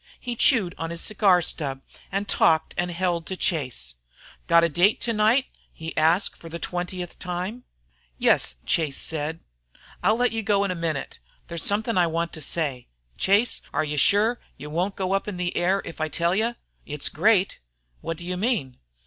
He chewed on his cigar stub and talked and held to Chase. "Got a date again to night?" he asked for the twentieth time. "Yes," said Chase. "I'll let you go in a minute. There's somethin' I want to say. Chase, are you shure you won't go up in the air, if I tell you? It's great." "What do you mean?"